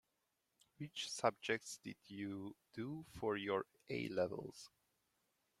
Which subjects did you do for your A-levels?